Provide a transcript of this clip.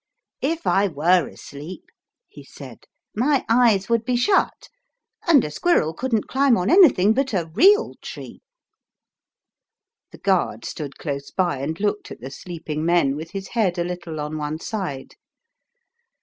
" If I were asleep," he said, "my eyes would be shut, and a squirrel couldn't climb on anything but a real tree." The guard stood close by and looked at the sleep ing men with his head a little on one side.